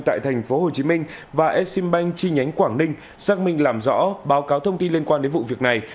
tại tp hcm và exim bank chi nhánh quảng ninh xác minh làm rõ báo cáo thông tin liên quan đến vụ việc này